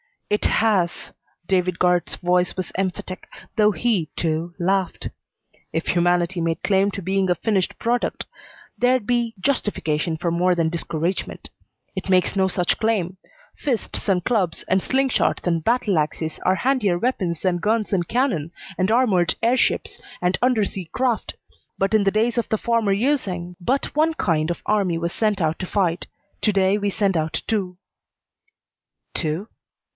"It has!" David Guard's voice was emphatic, though he, too, laughed. "If humanity made claim to being a finished product, there'd be justification for more than discouragement. It makes no such claim. Fists and clubs, and slingshots and battle axes, are handier weapons than guns and cannon, and armored air ships and under sea craft, but in the days of the former using, but one kind of army was sent out to fight. To day we send out two." "Two?"